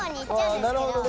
なるほどね。